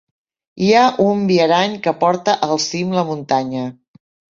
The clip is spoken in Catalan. Hi ha un viarany que porta al cim de la muntanya.